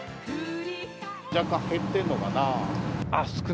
若干減ってるのかな。